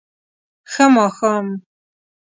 ښه ماښام